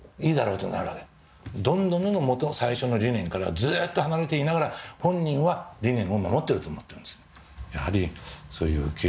どんどんどんどん元の最初の理念からはずっと離れていながら本人は理念を守ってると思ってるんです。